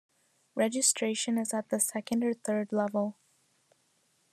Registration is at the second or third level.